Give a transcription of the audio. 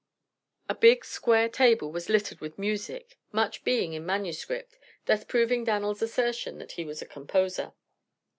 A big square table was littered with music, much being in manuscript thus proving Dan'l's assertion that he was a composer.